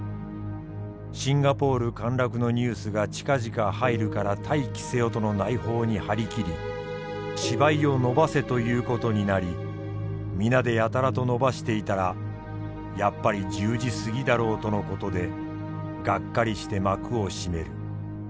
シンガポール陥落のニュースが近々入るから待機せよとの内報に張り切り芝居を延ばせということになり皆でやたらと延ばしていたらやっぱり１０時過ぎだろうとのことでがっかりして幕を閉める。